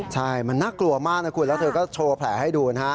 ใช่มันน่ากลัวมากนะคุณแล้วเธอก็โชว์แผลให้ดูนะฮะ